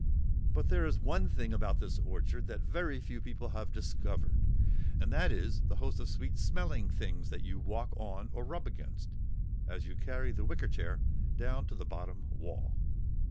But there is one thing about this orchard that very few people have discovered, and that is the host of sweet smelling things that you walk on or rub against, as you carry the wicker chair down to the bottom wall.